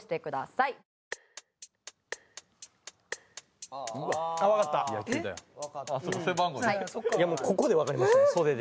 いやもうここでわかりましたね袖で。